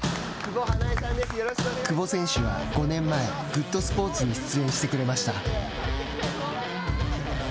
久保選手は５年前「グッと！スポーツ」に出演してくれました。